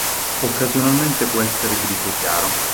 Occasionalmente può essere grigio chiaro.